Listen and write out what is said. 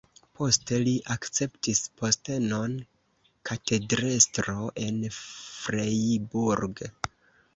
Poste li akceptis postenon katedrestro en Freiburg.